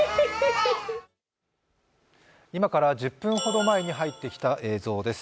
今から１０分ほど前に入ってきた映像です。